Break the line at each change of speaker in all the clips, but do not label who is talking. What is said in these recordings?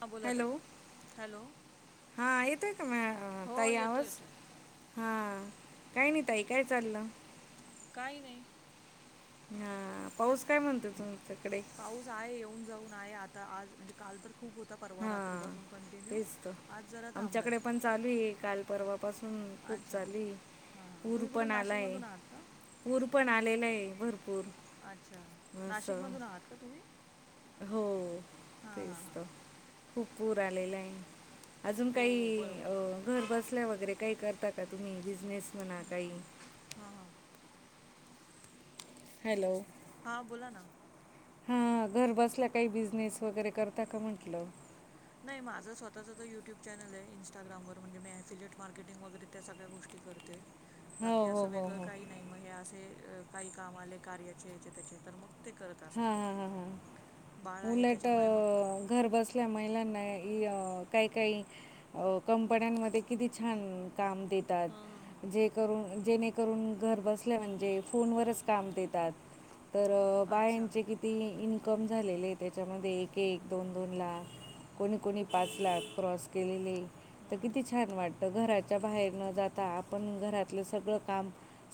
हा बोला तई, हॅलो.
हा येतोय का म
हो
ताई
येतो
आवाज?
येतोय
हा काय नाही, ताई काय चाललं.
काही नाही.
हा पाऊस काय म्हणतो तुमच्याकडे.?
पाऊस आहे, येऊन जाऊन आहे आता आज म्हणजे काल तर खूप होता. परवा
हां
रात्रीपासून कंटिन्यू
तेच तर
आज जरा थांबलं
आमच्याकडे
आहे.
पण चालू आहे काल परवा पासून खूप
अच्छा
चालू आहे
हां हां
पू र
तुम्ही कुठून
पण आलाय.
नाशिकमधून आहात का
पाऊस पण आलेला आहे भरपूर.
अच्छा!
असं
नाशिकमधून आहात का तुम्ही?
हो
हां
तेच
हां हां
तर खूप पूर आलेला आहे. अजून
हो हो
काही
बरोबर
अ
आहे
घर बसल्या वगैरे काही करता का तुम्ही बिजनेस म्हणा काही.
हा हा
हॅलो
हां बोला ना.
हा घर बसल्या काही बिझनेस वगैरे करता का म्हंटलं?
नाही माझं स्वतःचं काही यूट्यूब चॅनल आहे, इ्स्टाग्रामवर म्हणजे मी ॲफिलेट मार्केटिंग वगैरे त्या सगळ्या गोष्टी करते.
हो
बाकी
हो
असं
हो
वेगळं
हो
काही नाही मग हे असे काही काम आले कार्याचे याचे त्याचे तर मग. ते करत
हा
असते.
हा ह
बाळ आहे
उलट
त्याच्यामुळे मग
घर बसल्या. त्या महिलांना काही काही कंपन्यांमध्ये किती छान.. काम
हा हा हा.
देतात जे. जेणेकरून घर बसल्या म्हणजे फोनवरच काम देतात तर. अ,
अच्छा
बायांचे किती इन्कम झालेले त्याच्यामध्ये एक एक दोन दोन लाख. कोणी कोणी पाच लाख क्रॉस केलेले तर किती छान वाटतं घरात. घराच्या बाहेर न जाता आपण घरातलं सगळं काम.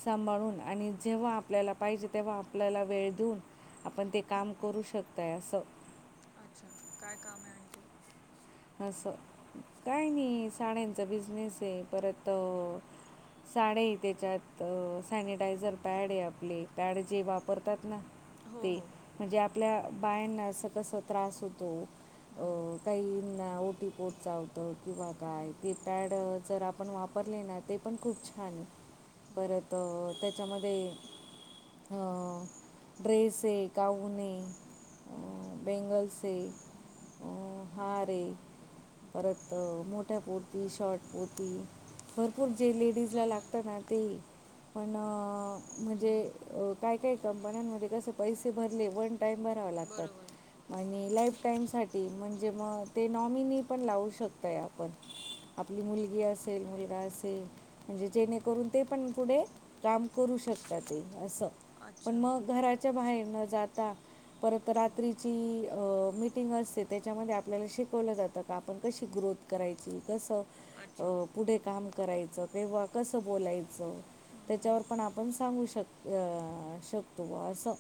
सांभाळून आणि जेव्हा आपल्याला पाहिजे तेव्हा आपल्याला वेळ देऊन. आपण ते काम करू शकताय असं.
अच्छा! काय काम आहे आणखी?
असं काय नाही साड्यांचा बिझनेस आहे परत. साड्या आहे त्याच्यात सॅनिटायझर पॅड आहे आपले पॅड जे वापरतात ना.
हो
ते
हो हो
म्हणजे आपल्या बायांना अस कस त्रास होतो. अ काही. ना ओ ओटीपोट चावतो किंवा काय ते पॅड जर आपण वापरले ना ते पण खूप. छान परत त्याच्यामध्ये. ह ड्रेस आहे गाऊन आहे. बँगल्स आहे हार आहे. परत मोठ्या कुर्ती शॉर्ट कुर्ती. भरपूर जे लेडीजला लागतं
हम्म
ना तेही. पण म्हणजे काय काय कंपन्यांमध्ये कसें पैसे भरले वन टाईम भरावं लागतो.
बरोबर
आणि लाईफ टाईमसाठी म्हणजे मग. ते नॉमिनी पण लावू शकताय आपण आपली मुलगी असेल मुलगा असेल. म्हणजे जेणेकरून ते पण पुढे, काम करू शकतात ते असं. पण
अच्छा.
मग, घराच्या बाहेर न जाता परत रात्रीची अ मीटिंग असते, त्याच्यामध्ये आपल्याला शिक शिकवलं जातं का आपण कशी ग्रोथ करायची? कस
अच्छा.
पुढे काम करायचं, तेंव्हा कसं बोलायचं? त्याच्यावर पण आपण, सांगू शक अ शकतो असं.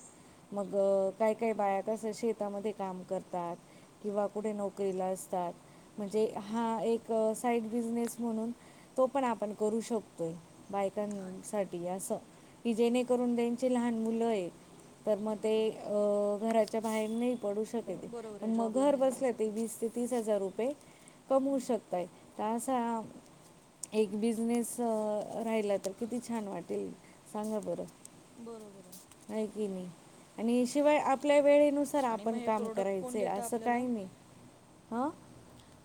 मग काही काही बाया कसं, शेतामध्ये काम करतात किंवा कुठे नोक करीला असतात. म्हणजे हा एक साईड बिझनेस म्हणून, तो पण आपण करू शकतो. होय.
अच्छा
बायकांसाठी असं. की जेणेकरून त्यांची लहान मुलं आहे, तर मग ते घराच्या बाहेर नाही पडू शकते.
बरोबर
पण
आहे
मग
जॉबला
घर
नाही जाऊ
बसल्या
शकत
वीस ते तीस हजार रुपये कमवू शकतात त असा हा एक बिझनेस राहिला तर, किती छान वाटेल सांगा बरं.
बरोबर आहे.
आहे की नाही आणि शिवाय आपल्या वेळे नुसार
आणि मग
आपण
हे
काम
प्रोडक्ट कोण
करायचं आहे.
देतं
असं
आपल्याला?
काही नाही हं.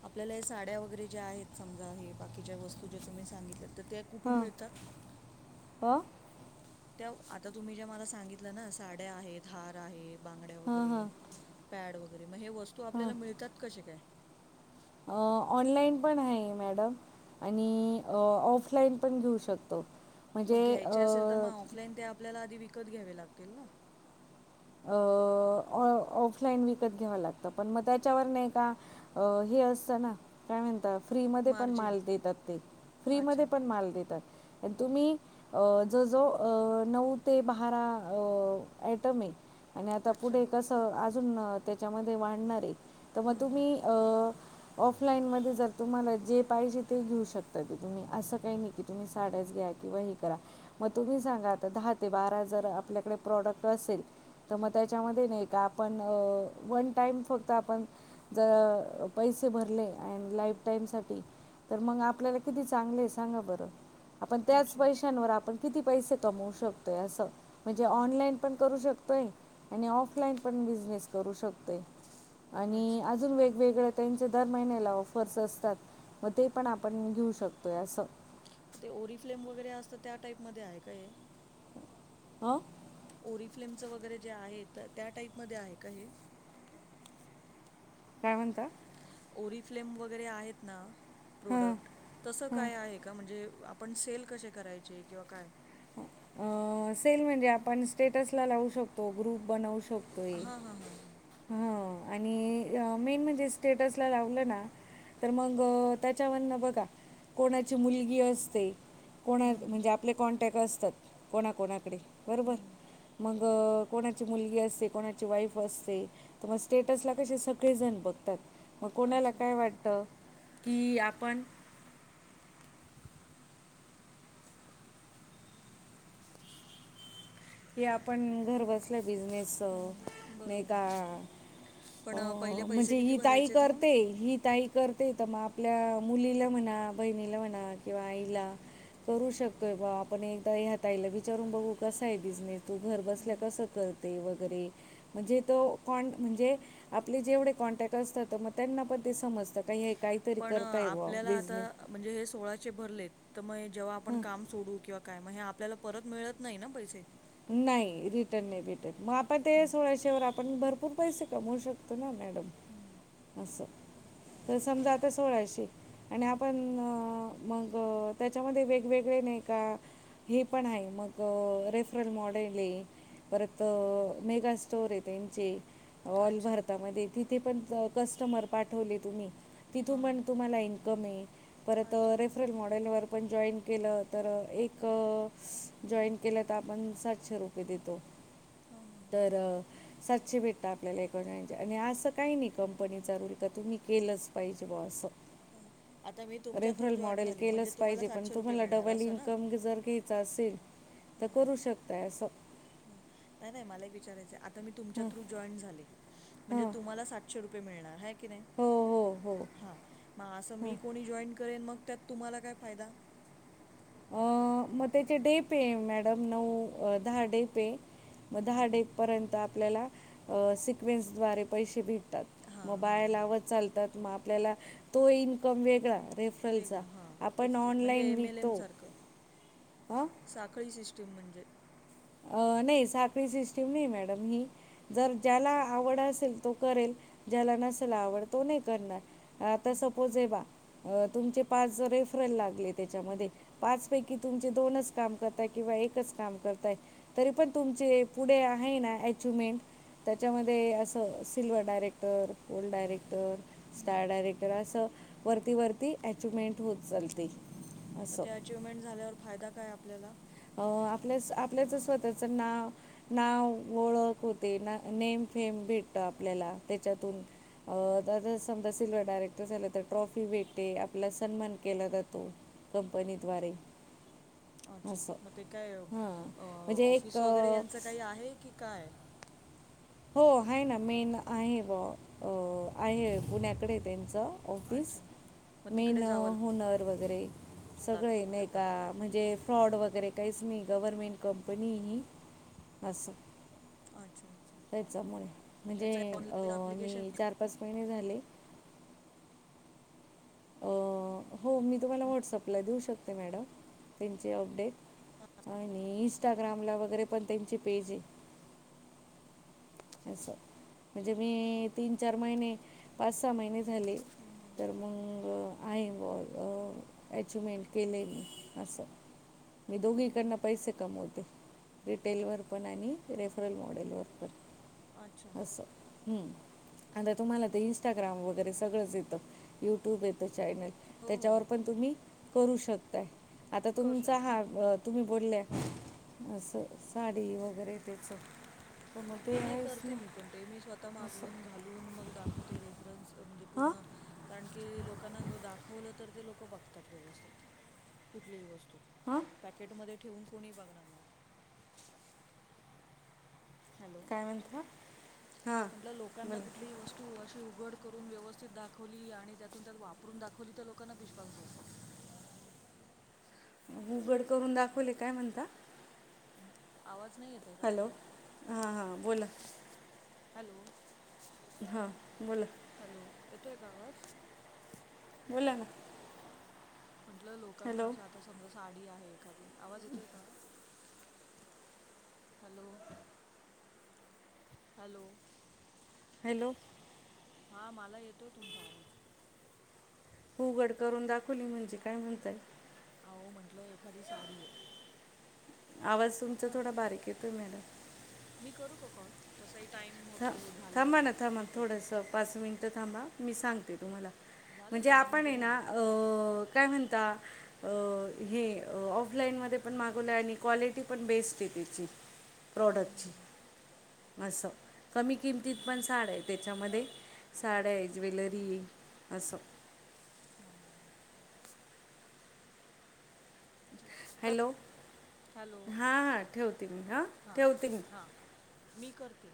आपल्याला हे साड्या वगैरे ज्या आहेत समजा हे बाकीच्या वस्तू जे तुम्ही सांगितल्यात तर त्या कुठून मिळतात?
अ?
त्या उ आता तुम्ही ज्या मला सांगितलं ना साड्या आहेत, हार आहे, बांगड्या
हां
वगैरे
हां
पॅड वगैरे मग हे वस्तू आपल्याला मिळतात कसे काय?
अ ऑनलाईन पण आहे, मॅडम. आणि ऑफलाईन पण घेऊ शकतो.
मग
म्हणजे
घ्यायचे असेल तर मग, ऑफलाईन ते आपल्याला आधी विकत घ्यावे लागतील ना.
अ.... ऑ मग ऑफलाईन विकत घ्यावं लागतं, पण मग त्याच्यावर नाही का हे असतं ना काय म्हणता? फ्री मधेपण
मार्जिन
माल देतात ते, फ्री
अच्छा,
मधेपण माल देतात. तुम्ही अ जवळजवळ अ नऊ ते ब्भारा ऍटम आहे. आणि आता
अच्छा.
पुढे कसं, अजून त्याच्यामध्ये वाढणार आहे. तर मग तुम्ही अं ऑफलाईन मध्ये जर तुम्हाला, जे पाहिजे ते घेऊ शकतात ते तुम्ही असं काही नाही की तुम्ही साड्याच घ्या किंवा हे करा मग तुम्ही सांगा आता दहा ते बारा जर आपल्याकडे प्रोडक्ट असेल, तर मग
हं,
त्याच्यामध्ये नाही का आपण वन टाईम फक्त, आपण जर पैसे भरले ऍंड लाईफ
हं.
टाईम साठी, तर मग आपल्याला किती चांगले आहे सांगा बरं? आपण त्याच
अच्छा.
पैशांवर, आपण किती पैसे कमवू शकतोय असं म्हणजे
हं, हं.
ऑनलाईन पण करू शक तोय आणि ऑफलाईन पण बिझनेस करू शकतोय आणि
अच्छा.
अजून वेगवेगळे त्यांचे दर महिन्याला ऑफर्स असतात, मग ते पण आपण घेऊ शकतोय असं.
ते ओरीफ्लेम वगैरे असतं, त्या टाईप मध्ये आहे का हे?
अं?
ओरीफ्लेमच वगैरे जे आहे, त्या टाईपमध्ये आहे का हे?
काय म्हणता?
ओरीफ्लेम वगैरे आहेत ना प्रोडक्ट्ं, तसं काय आहे का म्हणजे आपण सेल कसे करायचे किंवा काय?
सेल म्हणजे आपण स्टेटसला लावू शकतो, ग्रुप बनवू शकतो
हा हा हा हा.
हो आणि मेन म्हणजे स्टेटसला लावलं ना तर मग त्याच्यावरनं बघा कोणाची मुलगी असते. कोणा
हं, हं,
म्हणजे आपले कॉन्टॅक्ट असतात कोणाकोणाकडे बरोबर.
हं.
मग कोणाची मुलगी असते कोणाची वाईफ असते तर मग स्टेटस ला कसे सगळेजण बघतात. मग कोणाला
अच्छा.
काय वाटत की आपण
[inaudible]
की आपण घर बसलं
हं,
बिझनेसचं
हं.
नाही
बरोबर
का?
आहे.
अ
पण पहिले पैसे
म्हणजे
किती
ही ताई
भरायचे आहेत मग?
करते ही ताई करता येत मग आपल्या मुलीला म्हणा, बहिणीला म्हणा किंवा आईला‌ करू शकतोय बा आपण एकदा ह्याातईला विचारून बघू कसय बिझनेस तो घर बसल्या कसं करते वगैरे म्हणजे तो कोण म्हणजे आपले जेवढे कॉन्टॅक्ट असतात मग त्यांना पण ते समजतं, काही काहीतरी
पण अ,
करताय ब
आपल्याला आता
बिझनेस.
म्हणजे हे सोळाचे भरलेत तर मग जेव्हा आपण
हां
काम सोडू किंवा काय मग हे आपल्याला परत मिळत नाही ना पैसे.
नाही रिटर्न नाही भेटत मग आपण ते सोळाशे वर आपण भरपूर पैसे कमवू शक तो ना मॅडम अस, तर समजा आता सोळाशे. आणि आपण मग त्याच्यामध्ये वेगवेगळे नाही का? हे पण आहे मग रेफ रल मॉडेल आहे परत मेगा स्टोर आहे त्यांचे ऑल
अच्छा.
भारतामध्ये तिथे पण कस्टमर पाठवले तुम्ही तिथून
हां, हां.
पण तुम्हाला इ कमी, परत
अच्छा.
रेफ रल‌ मॉडेलवर‌पण जॉईन केल तर‌‌ एक जॉईन केल आता आपण सातशे रुपये देतो, तर सातशे भेटत आपल्याला एकोण आणि असं काही नाही कंपनीचा रूल का तुम्ही केलंच पाहिजे बा असं.
हां. आता मी तुमच्या थ्रू
रेफरल
जॉइन
मॉडेल
झाली म्हणजे
केलंच
तुम्हाला
पाहिजे पण तुम्हाला
मिळणार
डबल
असं ना?
इन्कम जर काही चा असेल तर करू शकताय असं.
हं. नाही मला एक विचारायचं आता मी तुमच्या
हं,
थ्रु जॉईन झाले म्हणजे
हं.
तुम्हाला सातशे रुप य मिळणार हाय की नाही,
हो हो हो
हा म असं
हं.
मी कोणी जॉईन करेन मग त्यात तुम्हाला काय फायदा?
अह मग तेचे डे पे, मॅडम नऊ-दहा डे पे मग दहा डे पर्यंत आपल्याला सिक्वेन्स दवारे पैसे भे तात
हां
मग
हां
बाई
हां
लावत चालतात मग आपल्याला तो इन्कम वेगळा. रेफरलचा
वेगळं हां
आपण
तेच तेच म्हणजे
ऑनलाईन
एम एल
विकतो
एमसारखं
अ?
साखळी सिस्टीम म्हणजे
अ नाही साखळी सिस्टीम नाही मॅडम ही. जर ज्याला आवड असेल तो करेल ज्याला नसेल आवड तो नाही करणार. आता सपोज आहे बा, अ तुमचे पाच रेफरल लागलेत त्याच्यामध्ये पाचपैकी तुमचे दोनच काम करताय किंवा एकच काम करताय. तरी पण तुमचे पुढे आहे ना ॲचीवमेंट त्याच्यामध्ये असं silver director, gold director, star director असं वरती वरती ॲचिवमेंट होत चालते.
मग
असं
त्या अचिव्हमेंट झाल्यावर, फायदा काय आपल्याला?
अं आपल्या, आपल्याच स्वतःचं नाव नाव ओळख होते ना. नेम फेम भेटत आपल्याला त्याच्यातून. अ आ समजा सिल्व्हर डायरेक्टर झाला, तर ट्रॉफी भेटते, आपला सन्मान केला जातो. कंपनीद्वारे
अच्छा!
असं
मग ते काय
हां म्हणजे एक
ऑफिस वगैरे
अं,
यांचं काही आहे, की काय?
हो आहे ना मेन आहे बॉ. अ आहे पुण्याकडे त्यांचं. ऑफिस
अच्छा मग
मेन
तिकडे जावं
होनर वगैरे
लागतं
सगळे ना
आपल्याला
एका म्हणजे फ्रॉड वगैरे काहीच नाही, गव्हर्मेंट कंपनी ही असं
अच्छा! अच्छा!
त्याच्यामुळे, म्हणजे
याचं काय
अ
ऑनलाईन ॲप्लिकेशन
मी चार पाच महिने झाले अं, हो मी तुम्हाला व्हॉट्सअपला देऊ शकते मॅडम. त्यांचे अपडेट
[unintelligible]
आणि इंस्टाग्रामला वगैरे पण त्यांची पेज आहे. असं म्हणजे मी तीन चार महिने पाच सहा महिने झाले, तर मग आहे मग ॲचिवमेंट केली असं मी दोघीकडंन पैसे कमवते रिटेलवर पण, आणि रेफरल मॉडेलवर पण.
अच्छा
आसं [inaudible] हम्. आता तुम्हाला ते इन्स्टाग्राम वगैरे सगळंच येतं, युट्यूब येतं चॅनल
हो हो
त्याच्यावर
हो
पण तुम्ही करू शकताय. आता
करू शकतो
तुमचा हा तुम्ही बोलल्या, असं साडी वगैरे त्याचं. मग ते
नाही
आहे
करते मी पण. ते मी स्वतः मागवून घालून मग दाखवते. रेफरन्स म्हणजे
हां
पूर्ण कारण की लोकांना दाखवलं तर ते लोक बघतात व्यवस्थित. कुठलीही वस्तू
हां
पॅकेटमध्ये ठेवून कोणी बघणार नाही. [inaudible] हॅलो
काय म्हणता हां
[inaudible] म्हंटलं लोकांना
बोला
कुठलीही वस्त तू अशी उघड करून व्यवस्थित दाखवली, आणि त्यातुन त्यात वापरून दाखवली तर लोकांना विश्वास बसतो.
उघड करून दाखवले काय म्हणता?
म आवाज नाही येत आहे का
हॅलो
तुम्हाला?
हां हां बोला
[inaudible] हॅलो. [inaudible]
हां. बोला
हॅलो, येतोय का आवाज?
बोला ना.
म्हटलं लोकांना
हॅलो
अशा आता समजा साडी आहे एखादी. आवाज येतोय का? [inaudible] हॅलो. Hello
hello.
हा मला येतोय तुमचा आवाज.
उघड करून दाखवली म्हणजे काय म्हणताय?
अहो म्हंटलं एखादी साडीये
आवाज तुमचा थोडा बारीक येतोय मॅडम.
मी करू का कॉल? तसाही टाईम होत
थां
हो
थांबा
झालेलाच
ना,
आहे
थांबा,
मी करतो
थोडंस पाच मिनिटं थांबा. मी सांगते तुम्हाला.
झाले
म्हणजे
दहा
आपण
मिनटं
आहे ना,
झालेत
अ काय म्हणता? अ हे ऑफलाईनमध्ये पण मागवलंय आणि क्वालिटी पण बेस्ट आहे त्याची, [unintelligible] त्याच्यामध्ये साड्या आहे, ज्वेलरी आहे, असं.
[unintelligible]
हॅलो हां हां ठेवते मी हां ठेवते मी
[unintelligible] मी करते